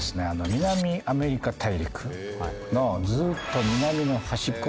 南アメリカ大陸のずっと南の端っこ